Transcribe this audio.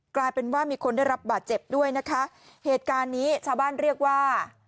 กลายเป็นว่ามีคนได้รับบาดเจ็บด้วยนะคะเหตุการณ์นี้ชาวบ้านเรียกว่า